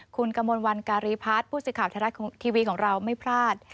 คุณกมลวันการีพัฒน์ผู้สิทธิ์ข่าวธรรมดาทีวีของเราไม่พลาด